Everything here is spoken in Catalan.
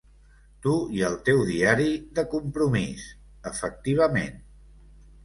Tu i el teu diari de compromís, efectivament.